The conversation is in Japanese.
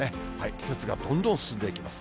季節がどんどん進んでいきます。